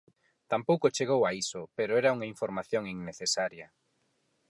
Tampouco chegou a iso, pero era unha información innecesaria.